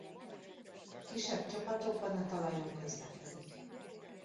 Kisebb csapatokban a talajon közlekedik.